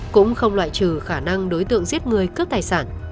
cũng không loại trừ khả năng đối tượng giết người cướp tài sản